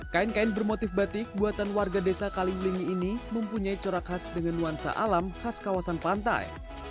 kain kain bermotif batik buatan warga desa kaliblingi ini mempunyai corak khas dengan nuansa alam khas kawasan pantai